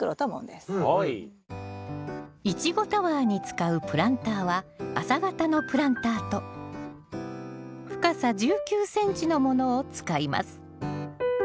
イチゴタワーに使うプランターは浅型のプランターと深さ１９ｃｍのものを使います。